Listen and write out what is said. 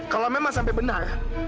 kalau memang sampai benar